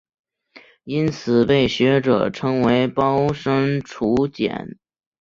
因此被学者称为包山楚简。